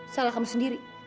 salah kamu sendiri